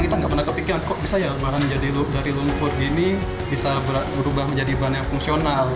kita nggak pernah kepikiran kok bisa ya bahan jadi dari lumpur gini bisa berubah menjadi bahan yang fungsional